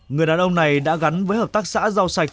người đàn ông này đã gắn với hợp tác xã rau sạch